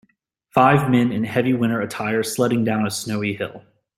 Five men in heavy winter attire sledding down a snowy hill